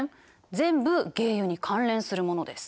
全部鯨油に関連するものです。